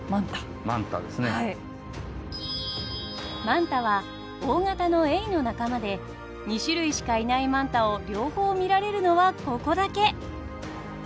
マンタは大型のエイの仲間で２種類しかいないマンタを両方見られるのはここだけ！